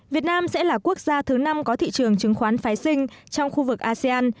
việt nam sẽ là quốc gia thứ năm có thị trường chứng khoán phái sinh trong khu vực asean